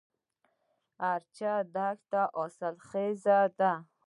د ارچي دښته حاصلخیزه ده